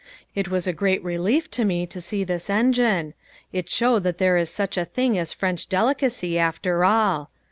It was a great relief to me to see this engine. It showed that there is such a thing as French delicacy after all.